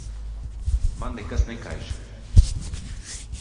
Man nekas nekaiš.